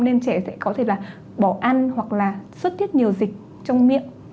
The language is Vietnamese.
nên trẻ sẽ có thể là bỏ ăn hoặc là sốt thiết nhiều dịch trong miệng